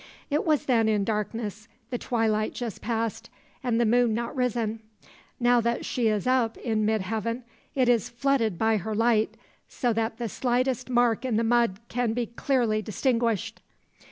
It was then in darkness, the twilight just past, and the moon not risen. Now that she is up in mid heaven, it is flooded by her light, so that the slightest mark in the mud can be clearly distinguished.